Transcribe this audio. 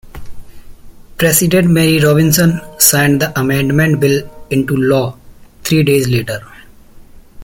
President Mary Robinson signed the amendment bill into law three days later.